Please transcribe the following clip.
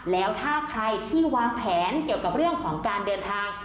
แล้วถ้าใครที่วางแผนเกี่ยวกับเรื่องของการเดินทาง